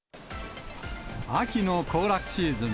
秋の行楽シーズン。